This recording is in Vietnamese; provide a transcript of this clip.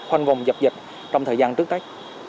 khoanh vòng dập dịch trong thời gian trước đấy